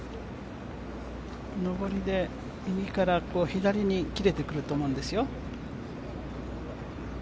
上りで右から左に切れてくると思うんですよ。